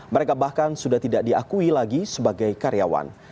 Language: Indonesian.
mereka bahkan sudah tidak diakui lagi sebagai karyawan